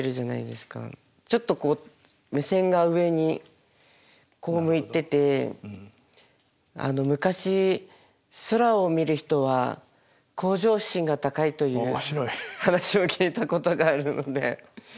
ちょっとこう目線が上にこう向いててあの昔空を見る人は向上心が高いという話を聞いたことがあるので。